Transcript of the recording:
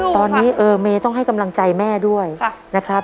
ตอนนี้เมย์ต้องให้กำลังใจแม่ด้วยนะครับ